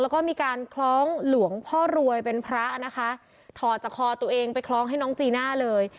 แล้วก็มีการคล้องหลวงพ่อรวยเป็นพระนะคะถอดจากคอตัวเองไปคล้องให้น้องจีน่าเลย